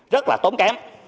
rất là tốn kém